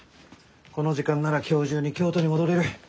この時間なら今日中に京都に戻れる。